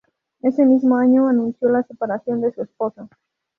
Ese mismo año anunció la separación de su esposa.